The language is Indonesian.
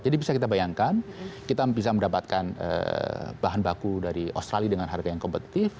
jadi bisa kita bayangkan kita bisa mendapatkan bahan baku dari australia dengan harga yang kompetitif